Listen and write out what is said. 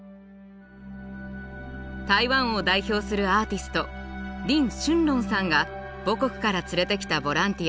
台湾を代表するアーティストリン・シュンロンさんが母国から連れてきたボランティア